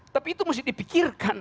tapi itu mesti dipikirkan